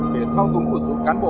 để thao túng hỗ trụ cán bộ